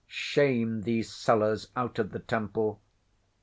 Shame these Sellers out of the Temple.